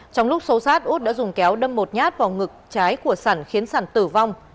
trong lúc xấu xát út đã dùng kéo đâm một nhát vào ngực trái của sẵn khiến sẵn tử vong